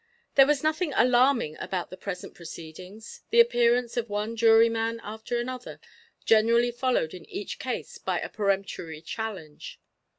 There was nothing alarming about the present proceedings the appearance of one jury man after another, generally followed in each case by a peremptory challenge.